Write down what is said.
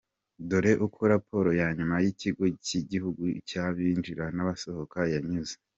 Dore uko raporo ya nyuma y’Ikigo cy’Igihugu cy’Abinjira n’Abasohoka yanzuye:.